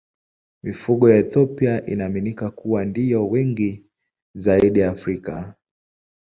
Mifugo ya Ethiopia inaaminika kuwa ndiyo wengi zaidi Afrika.